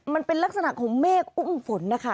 มันเป็นลักษณะของเมฆอุ้มฝนนะคะ